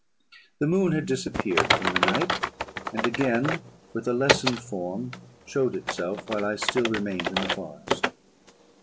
"The moon had disappeared from the night, and again, with a lessened form, showed itself, while I still remained in the forest.